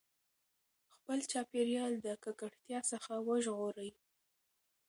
خپل چاپېریال د ککړتیا څخه وژغورئ.